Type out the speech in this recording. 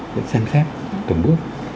sẽ xem xét từng bước